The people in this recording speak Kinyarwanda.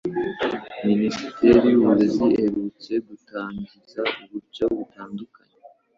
Minisiteri y'Uburezi iherutse gutangiza uburyo butandukanye